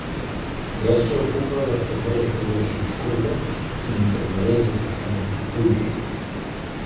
Grècia ocupa les primeres poblacions kurdes mentre milers de persones fugen.